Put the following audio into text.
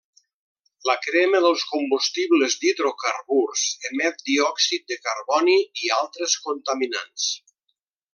La crema dels combustibles d'hidrocarburs emet diòxid de carboni i altres contaminants.